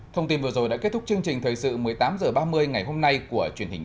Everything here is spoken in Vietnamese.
thông tin vừa rồi đã kết thúc chương trình thời sự một mươi tám h ba mươi